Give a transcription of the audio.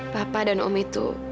papa dan om itu